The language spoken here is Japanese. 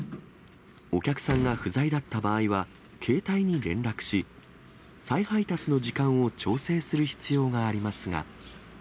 お客さんが不在だった場合は、携帯に連絡し、再配達の時間を調整する必要がありますが。